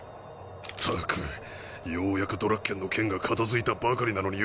ったくようやくドラッケンの件が片付いたばかりなのによぉ。